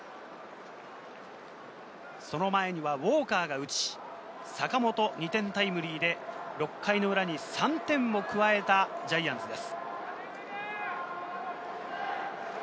その前にはウォーカーが打ち、坂本２点タイムリーで６回の裏に３点を加えたジャイアンツです。